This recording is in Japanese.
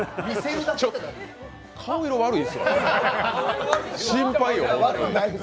顔色悪いですよ、心配よ、本当に。